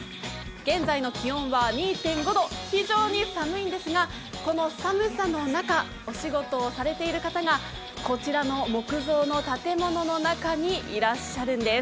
現在の気温は２．５度、非常に寒いんですが、この寒さの中、お仕事をされている方がこちらの木造の建物の中にいらっしゃるんです。